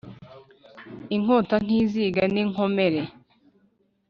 Inkota ntiziga n'inkomere